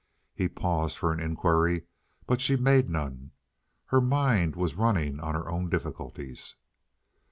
He paused for an inquiry, but she made none. Her mind was running on her own difficulties.